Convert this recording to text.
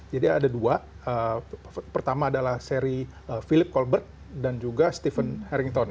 jadi ada dua pertama adalah seri philip colbert dan juga stephen harrington